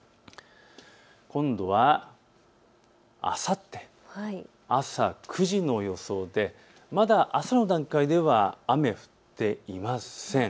今度はあさって、朝９時の予想でまだ朝の段階では雨は降っていません。